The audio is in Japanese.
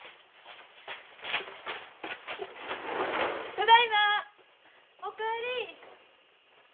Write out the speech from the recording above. ただいま！お帰り。